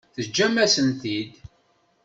Teǧǧam-asent-t-id.